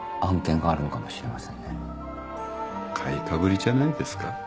買いかぶりじゃないですか。